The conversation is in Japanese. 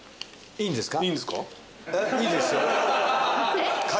いいですか？